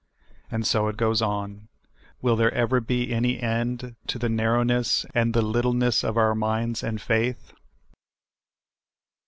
And so it goes on. Will there ever be any end to the narrowness and the littleness of our minds and faith?